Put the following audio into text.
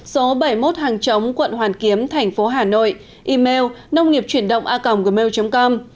số bảy mươi một hàng chống quận hoàn kiếm tp hà nội email nông nghiệpchuyểnđộnga gmail com